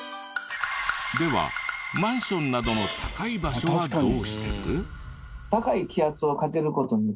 ではマンションなどの高い場所はどうしてる？